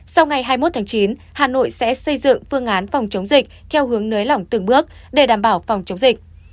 sau ngày hai mươi một tháng chín hà nội sẽ xây dựng phương án phòng chống dịch theo hướng nới lỏng từng bước để đảm bảo phòng chống dịch